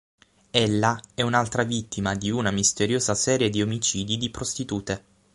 Ella è un'altra vittima di una misteriosa serie di omicidi di prostitute.